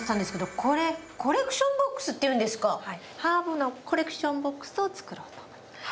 ハーブのコレクションボックスを作ろうと思います。